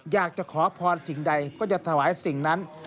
อยากจะขอพรสิ่งใดก็จะถวายสิ่งนั้น